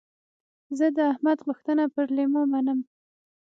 زه د احمد غوښتنه پر لېمو منم.